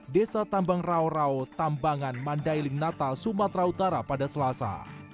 desa tambang rau rau tambangan mandailing natal sumatera utara pada selasa